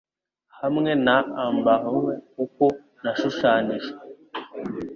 hamwe na amber hue kuko nashushanijwe